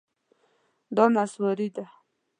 دا نسواري ده